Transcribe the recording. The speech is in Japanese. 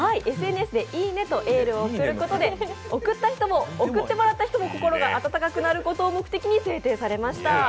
ＳＮＳでいいねとエールを送ることで送った人も送ってもらったひとも心が温かくなることを目的に制定されました。